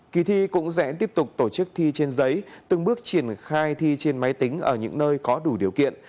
kỳ thi cũng sẽ tiếp tục tổ chức thi trên giấy từng bước triển khai thi trên máy tính ở những nơi có đủ điều kiện